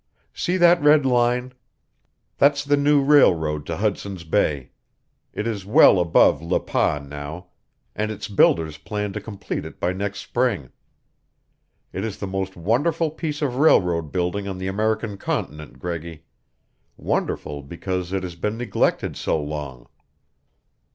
"See that red line? That's the new railroad to Hudson's Bay. It is well above Le Pas now, and its builders plan to complete it by next spring. It is the most wonderful piece of railroad building on the American continent, Greggy wonderful because it has been neglected so long.